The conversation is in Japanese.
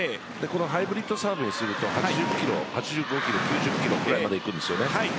ハイブリットサーブにすると８０キロ８５キロ、９０キロくらいまでいくんです。